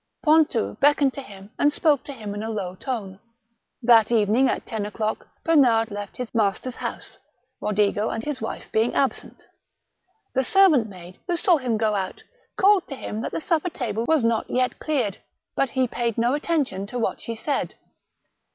Pontou beckoned to him and spoke to him in a low tone. That evening, at ten o'clock, Bernard left his master's house, Rodigo and his wife being absent. The servant maid, who saw him go out, called to him that the supper table was not yet cleared, but he paid no attention to what she said.